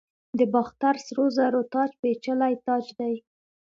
د باختر سرو زرو تاج پیچلی تاج دی